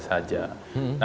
hanya formil saja